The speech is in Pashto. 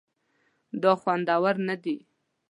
دا خوندور نه دي